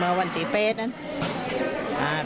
แรงนะมีเป็นวันที่๘